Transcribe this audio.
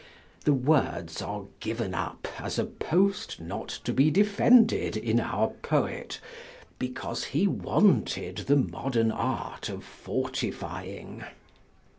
The words are given up as a post not to be defended in our poet, because he wanted the modern art of fortifying.